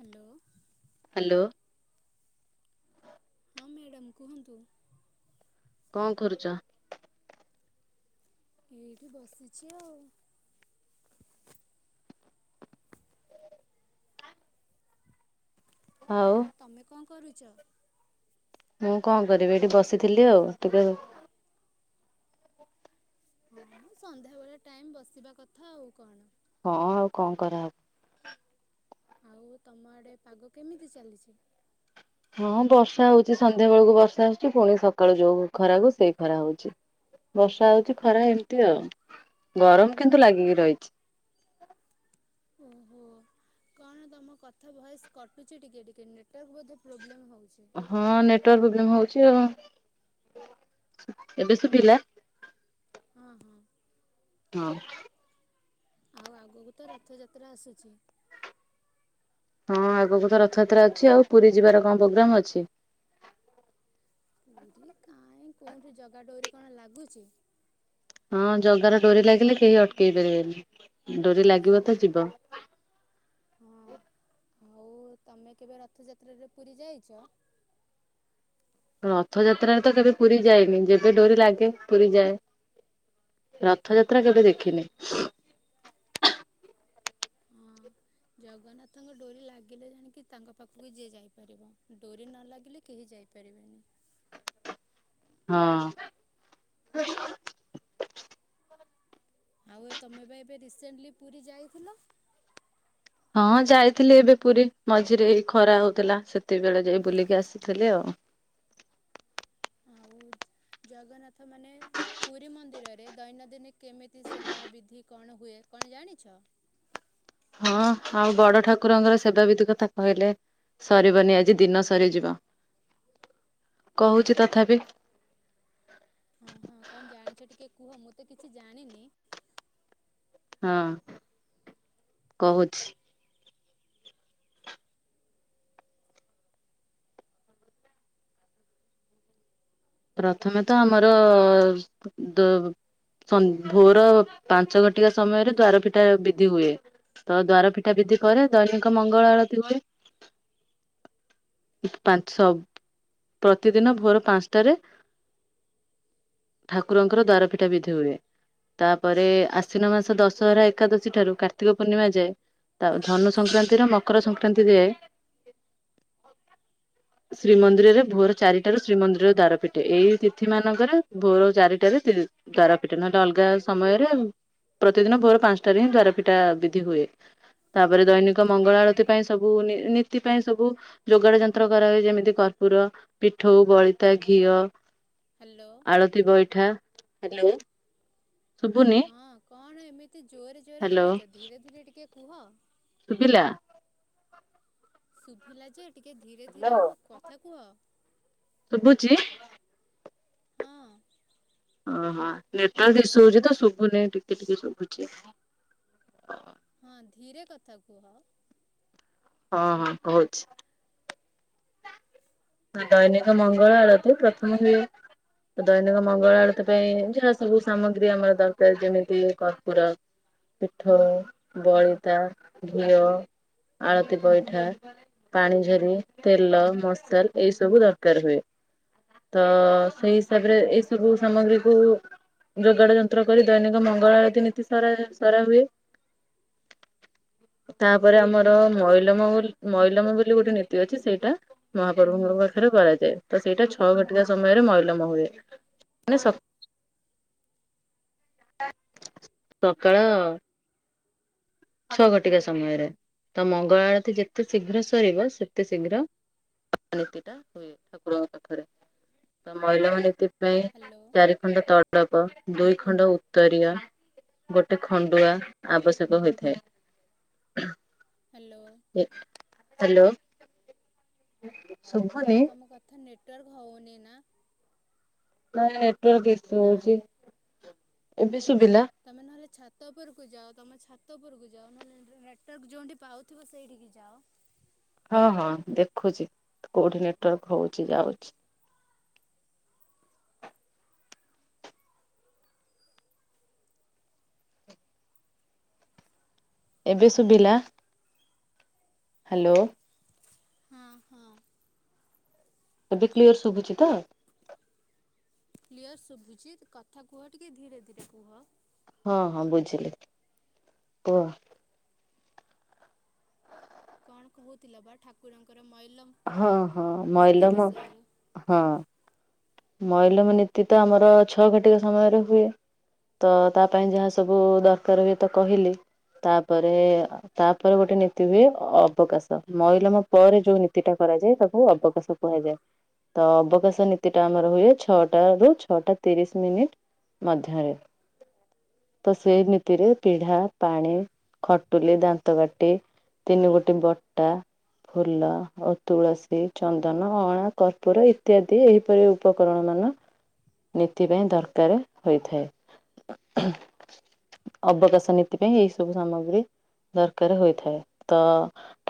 Hello. Hello. ହଁ madam, କୁହନ୍ତୁ କଣ କରୁଛ? ଏଇଠି ବସିଛି ଆଉ। ଆଉ ତମେ କଣ କରୁଛ? ମୁଁ କଣ କରିବି ଏଇଠି ବସିଥିଲି ଆଉ ଟିକେ ହୁଁ ସନ୍ଧ୍ୟାବେଳେ ଟାଇମ୍ ବସିବା କଥା ଆଉ କଣ। ହଁ ଆଉ କଣ କରା ହବ। ଆଉ ତମ ଆଡ଼େ ପାଗ କେମିତି ଚାଲିଛି? ହଁ ବର୍ଷା ହଉଛି, ସନ୍ଧ୍ୟାବେଳକୁ ବର୍ଷା ଆସୁଛି ପୁଣି ସକାଳୁ ଯୋଉ ଖରା କୁ ସେଇ ଖରା ହଉଛି। ବର୍ଷା ହଉଛି ଖରା ଏମିତି ଆଉ ଗରମ କିନ୍ତୁ ଲାଗିକି ରହିଛି। ଓହୋ। କଣ ତମ କଥା ଭୟସ କଟୁଛି ଟିକେ ଟିକେ। ନେଟୱାର୍କ ବୋଧେ ପ୍ରୋବ୍ଲେମ ହଉଛି? ହଁ ନେଟୱାର୍କ ପ୍ରୋବ୍ଲେମ୍ ହଉଛି ଆଉ। ଏବେ ଶୁଭିଲା? ହଁ ହଁ। ହଁ। ଆଉ ଆଗକୁ ତ ରଥଯାତ୍ରା ଆସୁଛି ହଁ ଆଗକୁ ତ ରଥଯାତ୍ରା ଅଛି ଆଉ ପୁରୀ ଯିବାର କଣ ପ୍ରୋଗ୍ରାମ୍ ଅଛି? ପୁରୀ କାଇଁ କୋଉଁଠି ଜଗା ଡୋରି କଣ ଲାଗୁଛି? ହଁ ଜଗାର ଡୋରି ଲାଗିଲେ କେହି ଅଟକେଇ ପାରିବେନି ଡୋରି ଲାଗ ସେଇଆ। ହଁ ଆଉ ତମେ କେବେ ରଥଯାତ୍ରାରେ ପୁରୀ ଯାଇଛ? ରଥଯାତ୍ରାରେ ତ କେବେ ପୁରୀ ଯାଇନି, ଯେବେ ଡୋରି ଲାଗେ ପୁରୀ ଯାଏ। ରଥଯାତ୍ରା କେବେ ଦେଖିନି। ହଁ। ଜଗନ୍ନାଥଙ୍କ ଡୋରି ଲାଗିଲେ ଜାଣିକି ତାଙ୍କ ପାଖକୁ ଯିଏ ଯାଇପାରିବ ଡୋରି ନ ଲାଗିଲେ କେହି ଯାଇପାରିବେନି। ହଁ। ହୁଁ ଆଉ ଏ ତମେ ବା ଏବେ ରିସେଣ୍ଟଲି ପୁରୀ ଯାଇଥିଲ? ହଁ ଯାଇଥିଲି ଏବେ ପୁରୀ ମଝିରେ ଏଇ ଖରା ହଉଥିଲା ସେତକିବେଳେ ଯାଇ ବୁଲିକି ଆସିଥିଲି ଆଉ। ଆଉଚ ଜଗନ୍ନାଥ ମାନେ ପୁରୀ ମନ୍ଦିରରେ ଦୈନନ୍ଦିନ କେମିତି ସେବା ବିଧି କଣ ହୁଏ? କଣ ଜାଣିଛ? ହଁ ଆଉ ବଡ ଠାକୁରଙ୍କର ସେବା ବିିଧି କଥା କହିଲେ ସରିବନି ଆଜି ଦିନ ସରିଯିବ କହୁଛି ତଥାପି ହଁ ହଁ କଣ ଜାଣିଛ ଟିକେ କୁହ ମୁଁ ତ କିଛି ଜାଣିନି। ହଁ କହୁଛି। ପ୍ରଥମେ ତ ଆମର ଦୋ ସ ଭୋର ପାଞ୍ଚ ଘଣ୍ଟିକା ସମୟରେ ଦ୍ଵାର ପିଠା ବିଧି ହୁଏ। ତ ଦ୍ୱାର ପିଠା ବିଧି କରେ ଦୈନିକ ମଙ୍ଗଳ ଆଳତି ହୁଏ। ପାଞ୍ଚ ପ୍ରତିଦିନ ଭୋର ପାଞ୍ଚଟାରେ ଠାକୁରଙ୍କର ଦ୍ୱାରପିଠା ବିଧି ହୁଏ। ତାପରେ ଆଶ୍ୱିନ ମାସ ଦଶହରା ଏକାଦଶୀ ଠାରୁ କାର୍ତ୍ତିକ ପୂର୍ଣ୍ଣିମା ଯାଏ। ତା ଧନୁ ସଂକ୍ରାନ୍ତିର ମକର ସଂକ୍ରାନ୍ତି ଦିଏ। ଶ୍ରୀମନ୍ଦିରରେ ଭୋର ଚାରିଟାରୁ ଶ୍ରୀମନ୍ଦିରର ଦାର ପିଠେ ଏଇ ତିଥି ମାନଙ୍କରେ ଭୋର ଚାରିଟାରେ ତ୍ରି ଦ୍ୱାରପିଠା ନହେଲେ ଅଲଗା ସମୟରେ ପ୍ରତିଦିନ ଭୋର ପାଞ୍ଚଟାରେ ହିଁ ଦଵାରପିଠା ବିଧି ହୁଏ। ତାପରେ ଦୈନିକ ମଙ୍ଗଳା ଆଳତି ପାଇଁ ସବୁ ନୀ-ନୀତି ପାଇଁ ସବୁ ଯୋଗାଡ଼ ଯନ୍ତ୍ର କରା ହଏ ଯେମିତି କର୍ପୁର ପିଠୋ ବଳିତା ଘିଅ ହ୍ୟାଲୋ ଆଳତିୀ ବଇଠା [unintelligible] ଶୁଭୁନି ହଁ କଣ ଏମିତି ଜୋରେ ଜୋରେ ହ୍ୟାଲୋ କହୁଛ ଧୀରେ ଧୀରେ ଟିକେ କୁହ। ଶୁଭିଲା ଶୁଭିଲା ଯେ ଟିକେ ଧୀରେ ଧୀରେ ହୁଅ କଥା କୁହ। ଶୁଭୁଛିି? ହଁ। ଓହୋ ନେଟୱାର୍କ ଇସୁ ହଉଛି ତ ଶୁଭୁନି ଟିକେ ଟିକେ ଶୁଭୁଛି। ହଁ ଧୀରେ କଥା କୁହ। ହଁ ହଁ କହୁଛି। ଦୈନିକ ମଙ୍ଗଳ ଆଳତୀ ପ୍ରଥମେ ହୁଏ। ଦୈନିକ ମଙ୍ଗଳ ଆଳତୀ ପାଇଁ ଯାହା ସବୁ ସାମଗ୍ରୀ ଆମର ଦରକାର ଯେମିତି କର୍ପୁର ପିଠଉ ବଳିତା ଘିଅ ଆଳତି ପଇଠା ପାଣିଝରି ତେଲ ମସଲ ଏଇ ସବୁ ଦରକାର ହୁଏ। ତ ସେଇ ହିସାବରେ ଏଇ ସବୁ ସାମଗ୍ରୀ କୁ ଯୋଗାଡ଼ ଯନ୍ତ୍ର କରି ଦୈନିକ ମଙ୍ଗଳ ଆଳତି ନୀତି ସାରା ସାରା ହୁଏ। ତାପରେ ଆମର ମଇଲମ ବୋଲ ମଇଲମ ବୋଲି ଗୋଟେ ନୀତି ଅଛି ସେଇଟା ଗରୁଭଙ୍କ ପାଖରେ କରାଯାଏ ତ ସେଇଟା ଛଅ ଘଟିକା ସମୟରେ ମଇଲମ ହୁଏ। ମାନେ ସକ୍-ସକାଳ-ଅ ଛଅ ଘଟିକା ସମୟରେ। ତ ମଙ୍ଗଳ ଆଳତୀ ଯେତେ ଶୀଘ୍ର ସରିବ ସେତେ ଶୀଘ୍ର ନୀତି ଟା ହୁଏ ଠାକୁରଙ୍କ ପାଖରେ। ତ ମହିଳାଙ୍କ ନୀତି ପାଇଁ ହ୍ୟାଲୋ ଚାରି ଖଣ୍ଡ ତଡକ ଦୁଇ ଖଣ୍ଡ ଉତ୍ତରୀୟ। ଗୋଟେ ଖଣ୍ଡୁଆ ଆବଶ୍ୟକ ହୋଇଥାଏ। ହ୍ୟାଲୋ। ହ୍ୟାଲୋ। [inaudible] ହଁ ତମ କଥା ନେଟୱାର୍କ ହଉନି ନା। ନାଇ ନେଟ୍ ୱାର୍କ ଇସୁ ନା ହଉଛି ଏବେ ସୁଭିଲା। ତମେ ନହେଲେ ଛାତ ଉପରକୁ ଯାଅ। ତମେ ଛାତ ଉପରକୁ ଯାଅ। ନହଲେ ନେଟୱାର୍କ ଯୋଉଠି ପାଉଥିବ ସେଇଠିକି ଯାଅ। ହଁ- ହଁ ଦେଖୁଚି। କୋଉଠି ନେଟ୍ ୱାର୍କ ହଉଛି ଯାଉଛି। ଏବେ ଶୁଭିଲା। ହ୍ୟାଲୋ। ହଁ ହଁ। ଏବେ କ୍ଲିୟର ଶୁଭୁଛି ତ? କ୍ଲିୟର୍ ଶୁଭଜି କଥା କୁହ ଟିକେ ଧୀରେ ଧୀରେ କୁହ। ହଁ ହଁ ବୁଝିଲି। କୁହ? କଣ କହୁଥିଲ? ବା ଠାକୁରଙ୍କର ମଇଲମ୍ ହଁ ହଁ ମଇଲମ ହଁ। ମଇଲମ ନୀତି ତ ଆମର ଛଅ ଘଟିକା ସମୟରେ ହୁଏ। ତ ତା ପାଇଁ ଯାହା ସବୁ ଦରକାର ହୁଏ ତ କହିଲି। ତାପରେ ତାପରେ ଗୋଟେ ନୀତି ହୁଏ ଅବକାଶ। ମଇଲମ ପରେ ଯୋଉ ନୀ ତିଟା କରାଯାଏ ତାକୁ ଅବକାଶ କୁହାଯାଏ। ତ ଅବକାଶ ନୀତି ଟା ଆମର ହୁଏ ଛଅଟା ରୁ ଛଅଟା ତିରିଶ ମିନିଟ। ମଧ୍ୟରେ। ତ ସେ ନୀତିରେ ପିଢା, ପାଣି, ଖଟୁଲି, ଦାନ୍ତ କାଟି ତିନି ଗୋଟି ବଟା, ଫୁଲ ଆଉ ତୁଳସୀ, ଚନ୍ଦନ, ଅଳା, କର୍ପୂୁର ଇତ୍ୟାଦି ଏହିପରି ଉପକରଣ ମାନ। ନୀତି ପାଇଁ ଦରକାର ହୋଇଥାଏ। ଅବକାଶ ନୀତି ପାଇଁ ଏଇ ସବୁ ସାମଗ୍ରୀ। ଦରକାର ହୋଇଥାଏ। ତ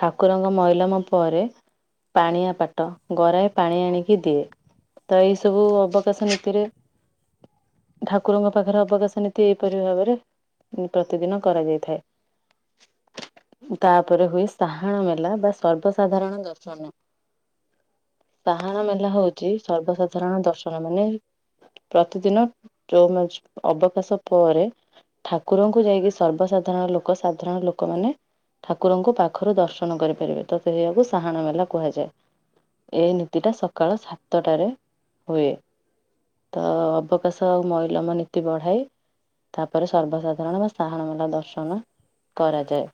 ଠାକୁରଙ୍କ ମଇଲମ ପରେ- ପାଣିଆ ପାଟ ଗରାଏ ପାଣି ଆଣିକି ଦିଏ। ତ ଏଇସବୁ ଅବକାଶ ନୀତିରେ ଠାକୁରଙ୍କ ପାଖରେ ଅବକାଶ ନୀତି ଏଇପରି ଭାବରେ ପ୍ରତିଦିନ କରାଯାଇଥାଏ। ତାପରେ ହୁଏ ସାହାଣ ମେଲା ବା ସର୍ବସାଧାରଣ ଦର୍ଶନ। ସାହାଣ ମେଲା ହଉଛି ସର୍ବସାଧାରଣ ଦର୍ଶନ ମାନେ ପ୍ରତିଦିନ ଚଉ ମ୍ୟାଚ ଅବକାଶ ପରେ ଠାକୁରଙ୍କୁ ଯାଇକି ସର୍ବସାଧାରଣ ଲୋକ ସାଧାରଣ ଲୋକମାନେ। ଠାକୁରଙ୍କୁ ପାଖରୁ ଦର୍ଶନ କରିପାରିବେ। ତ ସେଇଆକୁ ଣ ମେଲା କୁହାଯାଏ। ଏଇ ନୀତି ଟା ସକାଳ ସାତଟାରେ ହୁଏ। ତ ଅବକାଶ ଆଉ ମଇଲମ ନୀତି ବଢ଼ାଏ। ତାପରେ, ସର୍ବସାଧାରଣ ବା ସାହାଣ ମେଳା ଦର୍ଶନ କରାଯାଏ।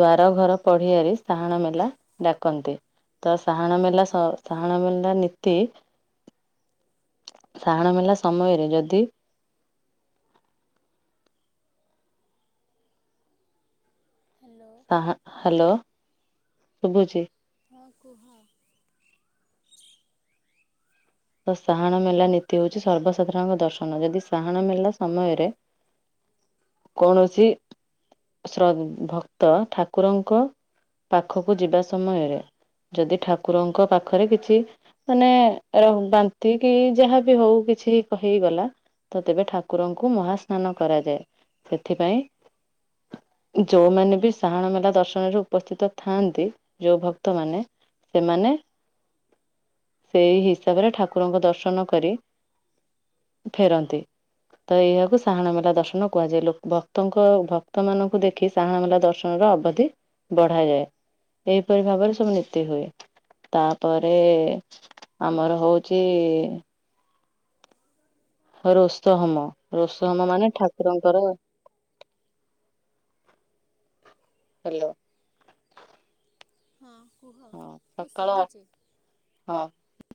ଦ୍ଵାର ଘର ପଢିଆରେ ସାହାଣ ମେଲା ଡାକନ୍ତି। ତ ସାହାଣ ମେଲା ସହ ସାହାଣ ମେଲା ନୀତି। ସାହାଣ ମେଲା ସମୟରେ ଯଦି ହ୍ୟାଲୋ। ଆହା ହ୍ୟାଲୋ ଶଭୁଚି। ହଁ କୁହ? ତ ସାହାଣ ମେଲା ନୀତି ହଉଛି ସର୍ବସାଧାରଣଙ୍କ ଦର୍ଶନ ଯଦି ସାହାଣ ମେଲା ସମୟରେ କୌଣସି ଶ୍ରଦ୍ ଭକ୍ତ ଠାକୁରଙ୍କ ପାଖକୁ ଯିବା ସମୟରେ ଯଦି ଠାକୁରଙ୍କ ପାଖରେ କିଛି ମାନେ ରହୁ ବାନ୍ତି କି ଯାହା ବି ହଉ କିଛି କହିଇକା ତ ତେବେ ଠାକୁରଙ୍କୁ ମହାସ୍ନାନ କରାଯାଏ, ସେଥିପାଇଁ ଯୋଉମାନେ ବି ସାହାଣ ମେଳା ଦର୍ଶନରେ ଉପସ୍ଥିତ ଥାନ୍ତି ଯୋଉ ଭକ୍ତମାନେ ସେମାନେ ସେଇ ହିସାବରେ ଠାକୁରଙ୍କ ଦର୍ଶନ କରି ଫେରନ୍ତି। ତ ଏହାକୁ ସାହାଣ ମେଳା ଦର୍ଶନ କୁହାଯାଏ ଭକ୍ତଙ୍କ ଭକ୍ତ ମାନଙ୍କୁ ଦେଖି ସାହାଣ ମେଲା ଦର୍ଶନର ଅବଧି ବଢାଯାଏ ଏହିପରି ଭାବରେ ସବୁ ନୀତି ହୁଏ। ତାପରେ ଆମର ହଉଛି ରୋଷ ହମ ରୋଷ ହୋମ ମାନେ ଠାକୁରଙ୍କର ହ୍ୟାଲୋ। ହଁ କୁହ ହଁ ମୁଁ ସକାଳ ଶୁଣୁଛି। ହଁ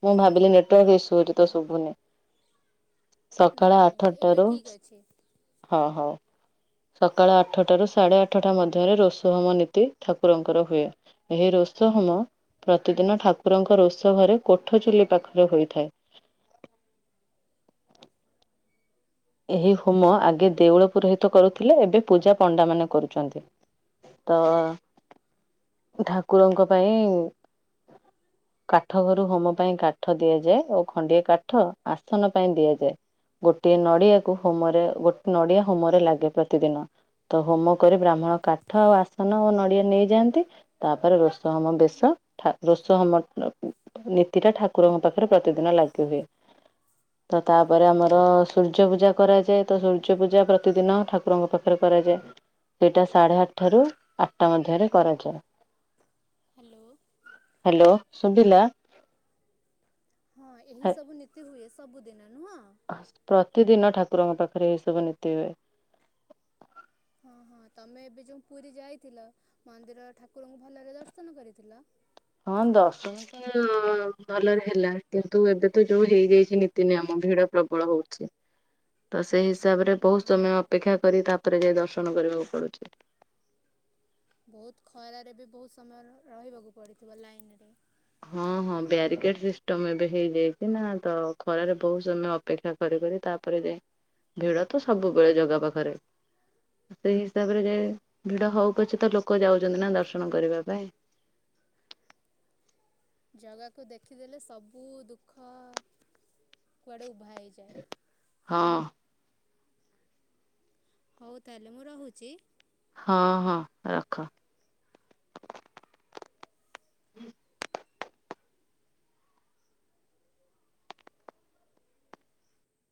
ମୁଁ ଭାବିଲି ନେଟୱାର୍କ ଇସୁ ଅଛି ତ ଶୁଭୁନି ସକାଳ ନାଇଁ ନାଇଁ ଏବେ ଆଠଟାରୁ ଠିକ୍ ଅଛି ହଁ ହଉ ସକାଳ ଆଠଟ ରୁ ସାଢେ ଆଠଟା ମଧ୍ୟରେ ରୋଷହମ ନୀତି ଠାକୁରଙ୍କର ହୁଏ। ଏହି ରୋଷ ହୋମ ପ୍ରତିଦିନ ଠାକୁରଙ୍କ ରୋଷ ଘରେ କୋଠ ଚୁଲି ପାଖରେ ହୋଇଥାଏ। ଏହି ହୋମ ଆଗେ ଦେଉଳ ପୁରୋହିତ କରୁଥିଲେ, ଏବେ ପୂଜା ପଣ୍ଡା ମାନେ କରୁଛନ୍ତି। ତ ଠାକୁରଙ୍କ ପାଇଁ କାଠ ଘରୁ ହୋମ ପାଇଁ କାଠ ଦିଆଯାଏ ଓ ଖଣ୍ଡିଆ କାଠ ଆସନ ପାଇଁ ଦିଆଯାଏ। ଗୋଟିଏ ନଡିଆକୁ ହୋମରେ ଗୋେ ନଡିଆ ହୋମରେ ଲାଗେ ପ୍ରତିଦିନ। ତ ହୋମ କରି ବ୍ରାହ୍ମଣ କାଠ ଆଉ ଆସନ ଓ ନଡିଆ ନେଇଯାଆନ୍ତି। ତାପରେ ରସ ହମ ବେଶ ରସ ହୋମ ନୀତି ଟା ଠାକୁରଙ୍କ ପାଖରେ ପ୍ରତିଦିନ ଲାଗି ହୁଏ, ତ ତାପରେ ଆମର ସୂର୍ଯ୍ୟ ପୂଜା କରାଯାଏ ତ ସୂର୍ଯ୍ୟ ପୂଜା ପ୍ରତିଦିନ ଠାକୁରଙ୍କ ପାଖରେ କରାଯାଏ। ସେଇଟା ସାଢେ ଆଠଟାରୁ ଆଠଟା ମଧ୍ୟରେ କରାଯାଏ। ହ୍ୟାଲୋ। ହ୍ୟାଲୋ ଶୁଭିଲା? ହଁ ଏହିସବୁ ନୀତି ହୁଏ ସବୁଦିନ ନୁହଁ? ପ୍ରତିଦିନ ଠାକୁରଙ୍କ ପାଖରେ ଏଇ ସବୁ ନୀତି ହୁଏ। ହଁ ହଁ ତୁମେ ଏବେ ଯେଉଁ ପୁରୀ ଯାଇଥିଲ ମନ୍ଦିର ଠାକୁରଙ୍କୁ ଭଲରେ ଦର୍ଶନ କରିଥିଲ। ହଁ ଦସ ଭଲରେ ହେଲା କିନ୍ତୁ ଏବେ ତ ଯୋଉ ହେଇଯାଇଛି ନୀତି ନିିୟମ ଭିଡ ପ୍ରବଳ ହଉଛି। ତ ସେଇ ହିସାବରେ ବହୁତ ସମୟ ହଁ ଅପେକ୍ଷା କରି ତାପରେ ଯାଇ ଦର୍ଶନ କରିବାକୁ ପଡୁଛି। ବହୁତ ଖରାରେ ବି ବହୁତ ସମୟ ରହିବାକୁ ପଡିଥିବ ଲାଇନରେ। ହଁ ହଁ ବ୍ୟାରିକେଡ ସିଷ୍ଟମ ଏବେ ହେଇଯାଇଛି ନା ତ ଖରାରେ ବହୁତ ସମୟ ଅପେକ୍ଷା। କରି କରି ତାପରେ ଯାଏ ଭିଡ ତ ସବୁବେଳେ ଜାଗା ପାଖରେ। ସେଇ ହିସାବରେ ଯେ ଭିଡ ହଉକଛି ତ ଲୋକ ଯାଉଛନ୍ତି ନା ଦର୍ଶନ କରିବା ପାଇଁ। ଜଗାକୁ ଦେଖିଦେଲେ ସବୁ ଦୁଃଖ କୁଆଡ଼େ ଉଭା ହେଇଯାଏ। ହଁ। ହଉ ତା ହେଲେ ମୁଁ ରହୁଛି। ହଁ ହଁ ରଖ। ହୁଁ।